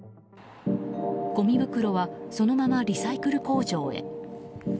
ごみ袋はそのままリサイクル工場へ。